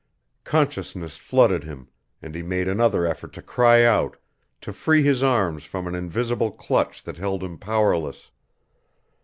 Consciousness flooded him, and he made another effort to cry out, to free his arms from an invisible clutch that held him powerless.